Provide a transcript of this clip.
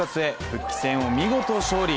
復帰戦を見事勝利。